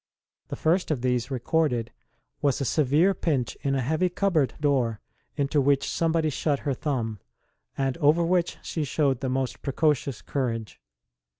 The first of these recorded was a severe pinch in a heavy cupboard door into which somebody shut her thumb, and over which she showed the most precocious courage.